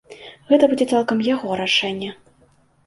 Гэта будзе цалкам яго рашэнне.